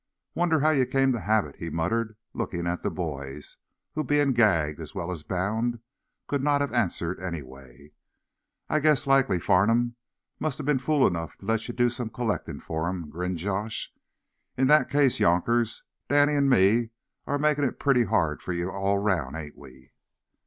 "Wonder how ye came to have it?" he muttered, looking at the boys, who, being gagged as well as bound, could not have answered anyway. "I guess likely Farnum must ha' been fool enough to let ye do some collectin' for him," grinned Josh. "In that case, younkers, Danny an' me are makin' it pretty hard for ye all 'round, ain't we?"